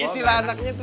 istilah anaknya tuh